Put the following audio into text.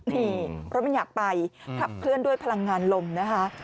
นี่เพราะมันอยากไปขับเคลื่อนด้วยพลังงานลมนะคะ